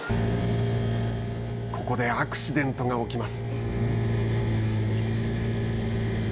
ここでアクシデントが起きます。